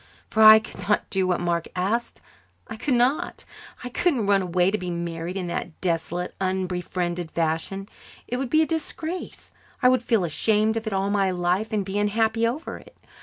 For I could not do what Mark asked I could not. I couldn't run away to be married in that desolate, unbefriended fashion. It would be a disgrace. I would feel ashamed of it all my life and be unhappy over it.